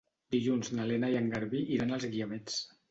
Dilluns na Lena i en Garbí iran als Guiamets.